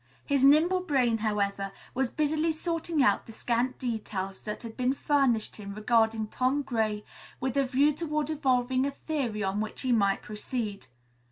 His nimble brain, however, was busily sorting out the scant details that had been furnished him regarding Tom Gray, with a view toward evolving a theory on which he might proceed.